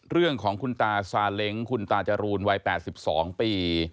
เรื่องของคุณตาซาเล้งคุณตาจรูนวัย๘๒ปี